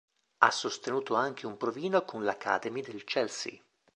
Ha sostenuto anche un provino con l"'Academy" del Chelsea.